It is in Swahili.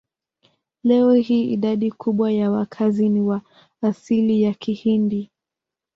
Leo hii idadi kubwa ya wakazi ni wa asili ya Kihindi.